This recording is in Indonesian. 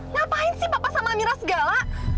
ngapain sih papa sama amira segala